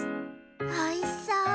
おいしそう。